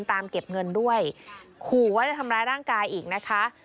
เก็บเงินด้วยขู่ว่าจะทำร้ายร่างกายอีกนะคะ